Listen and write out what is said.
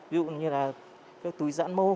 ví dụ như là túi dãn mô